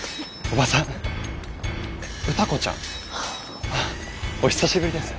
お久しぶりです。